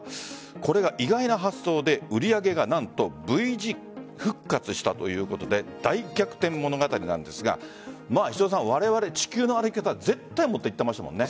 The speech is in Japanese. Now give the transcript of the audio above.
これが意外な発想で、売り上げが何とＶ字復活したということで大逆転物語なんですがわれわれ「地球の歩き方」絶対持っていってましたもんね。